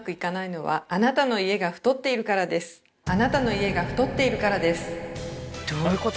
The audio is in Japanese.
あなたの家が太っているからですどういうこと？